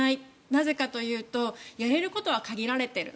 なぜかというとやれることは限られている。